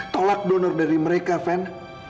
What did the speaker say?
tolak donor dari mereka van